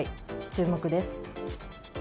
注目です。